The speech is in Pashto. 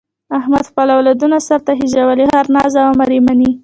احمد خپل اولادونه سرته خېژولي، هر ناز او امر یې مني.